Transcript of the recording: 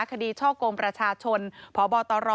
ช่อกงประชาชนพบตร